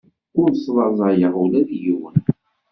Ur slaẓayeɣ ula d yiwen.